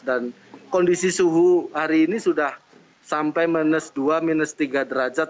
dan kondisi suhu hari ini sudah sampai minus dua minus tiga derajat